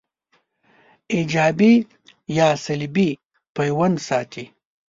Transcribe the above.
ایجابي یا سلبي پیوند ساتي